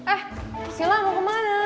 eh sila mau kemana